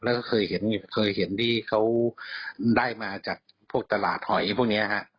แล้วก็เคยเห็นเคยเห็นที่เขาได้มาจากพวกตลาดหอยพวกนี้ฮะ